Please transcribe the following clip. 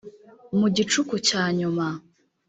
mu gicuku cya nyuma,